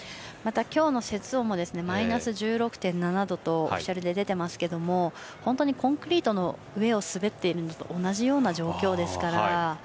また、今日の雪温もマイナス１６．７度とオフィシャルで出ていますがコンクリートの上を滑っているのと同じような状況ですから。